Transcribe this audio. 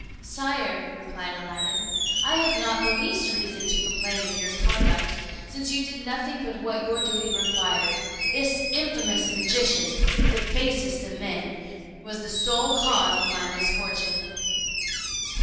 "Sire," replied Aladdin, "I have not the least reason to complain of your conduct, since you did nothing but what your duty required. This infamous magician, the basest of men, was the sole cause of my misfortune."